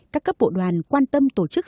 các cấp bộ đoàn quan tâm tổ chức